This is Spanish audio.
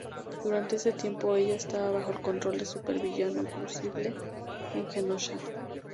Durante este tiempo, ella estaba bajo el control del supervillano Crucible en Genosha.